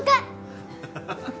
ハハハハ！